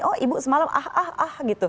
oh ibu semalam ah ah gitu